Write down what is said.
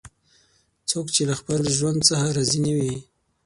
څوک چې له خپل ژوند څخه راضي نه وي